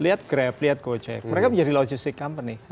lihat grab lihat gojek mereka menjadi logistic company